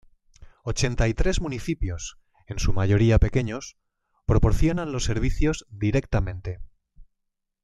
Ochenta y tres municipios, en su mayoría pequeños, proporcionan los servicios directamente.